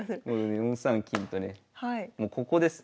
４三金とねもうここです。